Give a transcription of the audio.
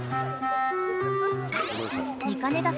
［見かねた］